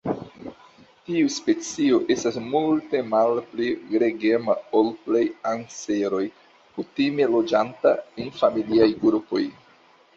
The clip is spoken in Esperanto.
Tiu specio estas multe malpli gregema ol plej anseroj, kutime loĝanta en familiaj grupoj.